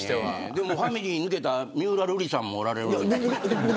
でもファミリーを抜けた三浦瑠麗さんもいるから。